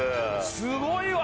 すごいわ。